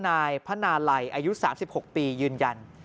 นายพนาลัยอายุ๓๖ปียืนยัน